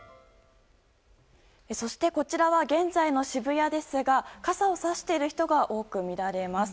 そして、こちらは現在の渋谷ですが傘をさしている人が多くみられます。